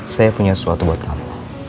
saya punya sesuatu buat kamu